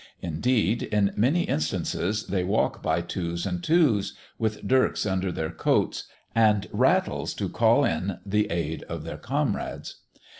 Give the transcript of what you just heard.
Indeed, in many instances, they walk by twos and twos, with dirks under their coats, and rattles to call in the aid of their comrades.